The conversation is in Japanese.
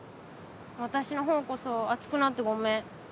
私の方こそ熱くなってごめん。